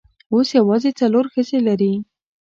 اوس یوازې څلور ښځې لري.